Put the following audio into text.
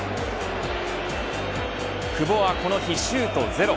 久保はこの日シュート、ゼロ。